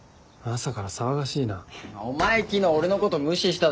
お前昨日俺のこと無視しただろ。